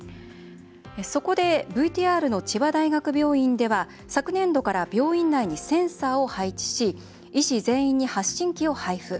そこでＶＴＲの千葉大学病院では昨年度から病院内にセンサーを配置し医師全員に発信器を配付。